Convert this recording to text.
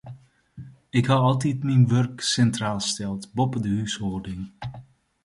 Ik ha altyd myn wurk sintraal steld, boppe de húshâlding.